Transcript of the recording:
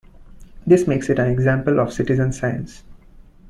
This makes it an example of citizen science.